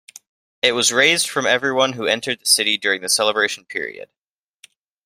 It was raised from everyone who entered the city during the celebration period.